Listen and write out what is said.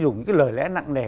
những cái lời lẽ nặng nề